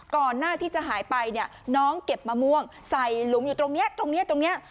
ก่อนหน้าที่จะหายไปเนี่ยน้องเก็บมะม่วงใส่หลุมอยู่ตรงนี้ตรงนี้ตรงนี้